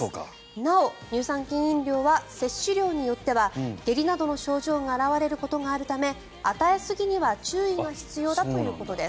なお、乳酸菌飲料は摂取量によっては下痢などの症状が表れることがあるため与えすぎには注意が必要だということです。